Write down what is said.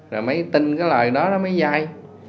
rồi mới tin cái lời đó mới dai